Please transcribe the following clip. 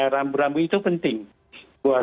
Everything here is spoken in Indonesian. rambu rambu itu penting buat